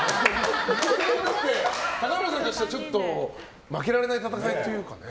高村さんとしては負けられない戦いというかね。